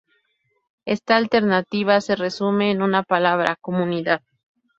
Esta alternativa se resume en una palabra: comunidad.